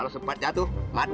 hei cepat jembatan